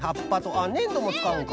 あっねんどもつかうんか。